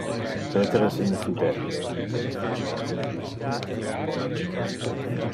Peter es infidel.